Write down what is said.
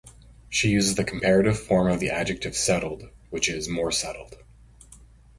She uses the comparative form of the adjective "settled", which is "more settled".